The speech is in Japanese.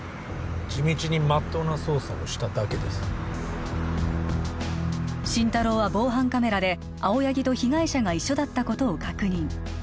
地道にまっとうな捜査をしただけです心太朗は防犯カメラで青柳と被害者が一緒だったことを確認